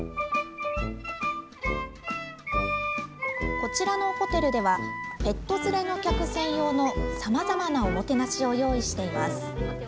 こちらのホテルでは、ペット連れの客専用のさまざまなおもてなしを用意しています。